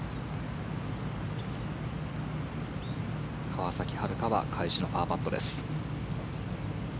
川崎春花は返しのパーパットです。